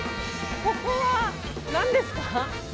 ここは何ですか？